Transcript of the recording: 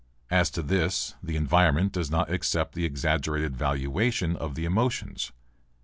As to this the environment does not accept the exaggerated valuation of the emotions.